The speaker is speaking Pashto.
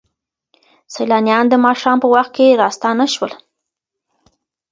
سیلانیان د ماښام په وخت کې راستانه شول.